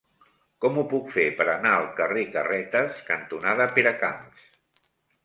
Com ho puc fer per anar al carrer Carretes cantonada Peracamps?